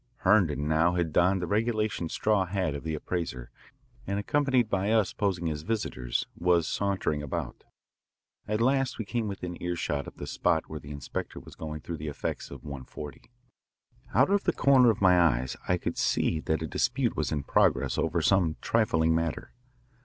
Herndon now had donned the regulation straw hat of the appraiser, and accompanied by us, posing as visitors, was sauntering about. At last we came within earshot of the spot where the inspector was going through the effects of 140. Out of the corner of my eyes I could see that a dispute was in progress over some trifling matter.